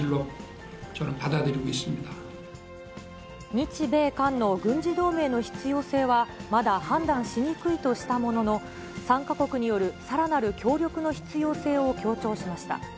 日米韓の軍事同盟の必要性は、まだ判断しにくいとしたものの、３か国によるさらなる協力の必要性を強調しました。